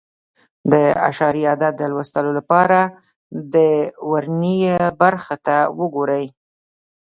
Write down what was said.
د اعشاري عدد د لوستلو لپاره د ورنيې برخو ته وګورئ.